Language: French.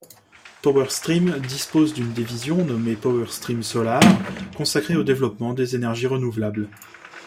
PowerStream dispose d'une division nommée PowerStream Solar consacrée au développement des énergies renouvelables.